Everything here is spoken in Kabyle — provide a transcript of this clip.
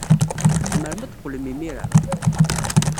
Tzemrem ad d-teqqlem imir-a?